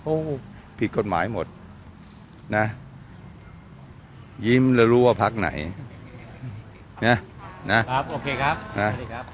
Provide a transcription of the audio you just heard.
โอ้โหผิดกฎหมายหมดนะยิ้มแล้วรู้ว่าพักไหนนะนะครับโอเคครับสวัสดีครับ